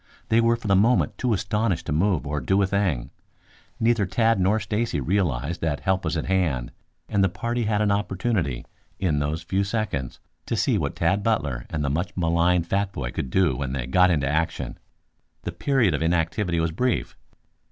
They were for the moment too astonished to move or do a thing. Neither Tad nor Stacy realized that help was at hand, and the party had an opportunity, in those few seconds, to see what Tad Butler and the much maligned fat boy could do when they got into action. The period of inactivity was brief.